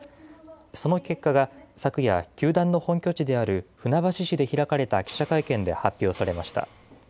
その結果が、昨夜、球団の本拠地である船橋市で開かれた記者会見で発表されました。